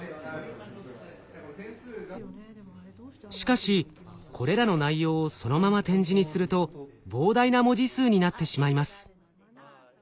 しかしこれらの内容をそのまま点字にすると膨大な文字数になってしまいます。